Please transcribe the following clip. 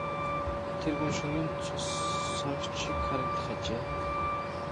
Тэр гүн шөнийн цус сорогч шиг харагдах ажээ.